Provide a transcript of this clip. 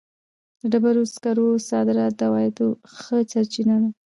د ډبرو سکرو صادرات د عوایدو ښه سرچینه ده.